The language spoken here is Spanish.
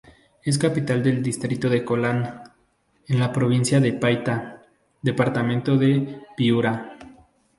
Es capital del distrito de Colán en la provincia de Paita, departamento de Piura.